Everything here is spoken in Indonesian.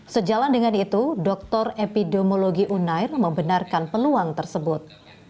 sejalan dengan itu doktor epidemiologi unair membenarkan peluang tersebut